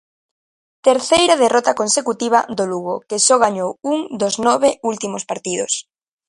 Terceira derrota consecutiva do Lugo que só gañou un dos nove últimos partidos.